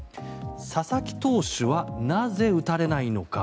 佐々木投手はなぜ打たれないのか。